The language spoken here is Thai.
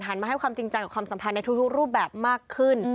มาให้ความจริงใจกับความสัมพันธ์ในทุกรูปแบบมากขึ้น